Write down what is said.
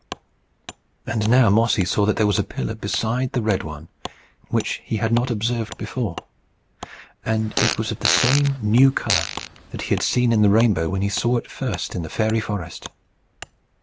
And now Mossy saw that there was a pillar beside the red one, which he had not observed before. And it was of the same new colour that he had seen in the rainbow when he saw it first in the fairy forest.